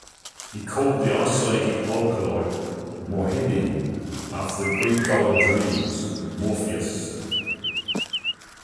He called the isolated alkaloid "morphium" after the Greek god of dreams, Morpheus.